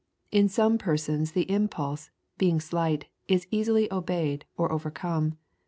In some persons the impulse, being slight, is easily obeyed or overcome.